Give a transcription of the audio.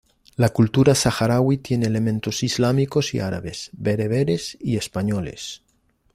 La cultura saharaui tiene elementos islámicos y árabes, bereberes y españoles.